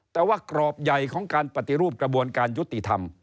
แต่ว่ากรอบใหญ่ของการปฏิรูปกระบวนการยุติธรรม